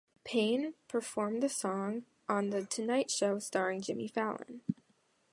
Payne performed the song on "The Tonight Show Starring Jimmy Fallon".